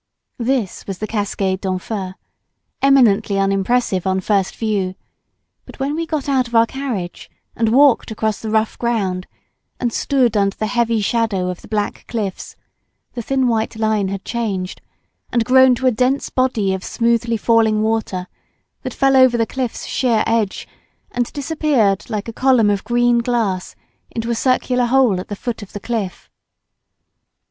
This was the Cascade d'Enfer, eminently unimpressive on first view, but when we got out of our carriage and walked across the rough ground, and stood under the heavy shadow of the black cliffs, the thin white line had changed, and grown to a dense body of smoothly falling water that fell over the cliff's sheer edge, and disappeared like a column of green glass into a circular hole at the foot of the cliff.